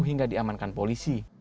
hingga diamankan polisi